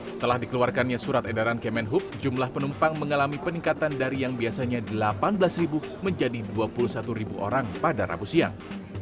setelah dikeluarkannya surat edaran kemenhub jumlah penumpang mengalami peningkatan dari yang biasanya delapan belas menjadi dua puluh satu orang pada rabu siang